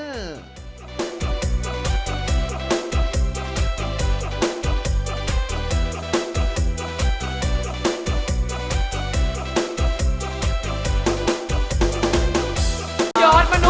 โอ้ย